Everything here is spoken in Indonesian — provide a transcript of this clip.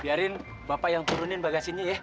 biarin bapak yang turunin bagasinya ya